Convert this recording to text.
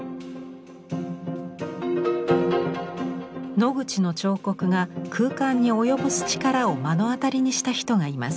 ノグチの彫刻が空間に及ぼす力を目の当たりにした人がいます。